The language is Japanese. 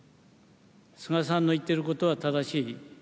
菅さんの言ってることは正しい。